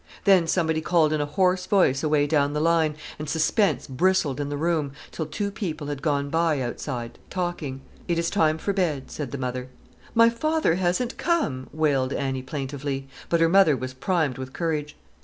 Then somebody called in a hoarse voice away down the line, and suspense bristled in the room, till two people had gone by outside, talking. "It is time for bed," said the mother. "My father hasn't come," wailed Annie plaintively. But her mother was primed with courage.